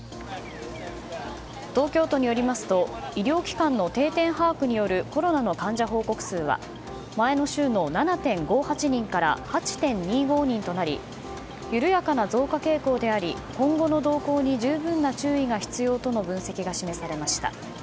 東京都によりますと医療機関の定点把握によるコロナの患者報告数は前の週の７．５８人から８．２５人となり緩やかな増加傾向であり今後の動向に十分な注意が必要との分析が示されました。